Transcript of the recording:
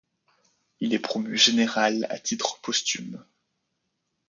Il est promu général à titre posthume.